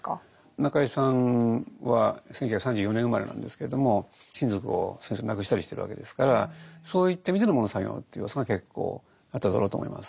中井さんは１９３４年生まれなんですけれども親族を戦争で亡くしたりしてるわけですからそういった意味での「喪の作業」という要素が結構あっただろうと思います。